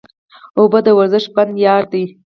اوبه د ورزش بنده یار دی